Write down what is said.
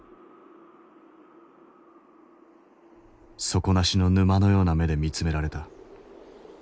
底なしの沼のような目で見つめられた。